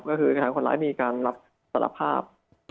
ก็คือทางคนร้ายมีการสลับภาพ